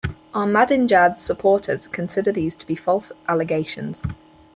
Ahmadinejad's supporters consider these to be false allegations.